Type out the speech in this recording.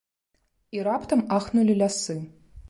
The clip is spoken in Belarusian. І раптам ахнулі лясы.